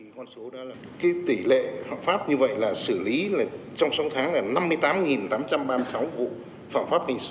cái tỷ lệ phạm pháp như vậy là xử lý trong sáu tháng là năm mươi tám tám trăm ba mươi sáu vụ phạm pháp hình sự